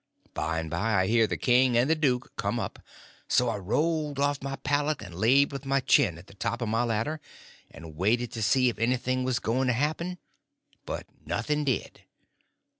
By and by I heard the king and the duke come up; so I rolled off my pallet and laid with my chin at the top of my ladder, and waited to see if anything was going to happen. But nothing did.